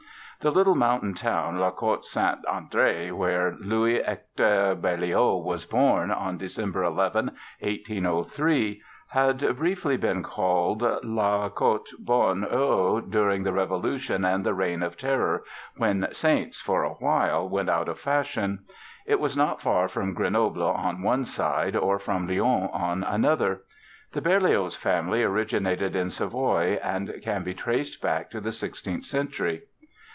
The little mountain town, La Côte Saint André, where Louis Hector Berlioz was born on December 11, 1803, had briefly been called La Côte Bonne Eau during the Revolution and the Reign of Terror when "saints", for a while, went out of fashion. It was not far from Grenoble on one side or from Lyon on another. The Berlioz family originated in Savoie and can be traced back to the sixteenth century.